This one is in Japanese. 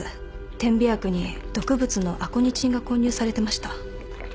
点鼻薬に毒物のアコニチンが混入されてました。